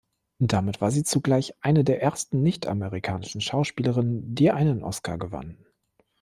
Damit war sie zugleich eine der ersten nicht-amerikanischen Schauspielerinnen, die einen Oscar gewannen.